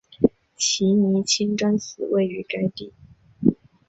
奇尼清真寺位于该地。